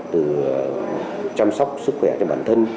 từ chăm sóc sức khỏe cho bản thân